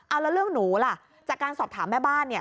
เอาแล้วเรื่องหนูล่ะจากการสอบถามแม่บ้านเนี่ย